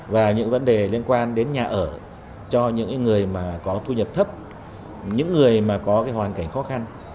và những vấn đề liên quan đến nhà ở cho những người mà có thu nhập thấp những người mà có cái hoàn cảnh khó khăn